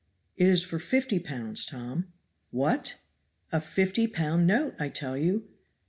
It is for fifty pounds, Tom." "What?" "A fifty pound note, I tell you."